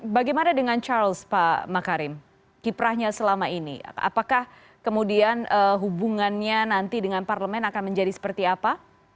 bagaimana dengan charles pak makarim kiprahnya selama ini apakah kemudian hubungannya nanti dengan parlemen akan menjadi seperti apa